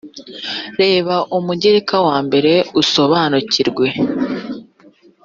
reba umugereka wa mbere usobanukirwe